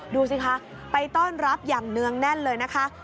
ดูสิคะไปต้อนรับอย่างเนืองแน่นเลยนะคะ